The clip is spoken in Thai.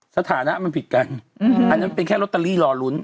สถานะมันผิดกันอันนั้นเป็นแค่ลอตเตอรี่รอลุ้น